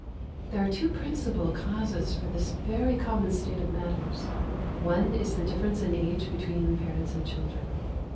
There are two principal causes for this very common state of matters. One is the difference in age between parents and children.